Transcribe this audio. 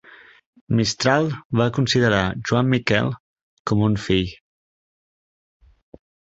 Mistral va considerar Joan Miquel com un fill.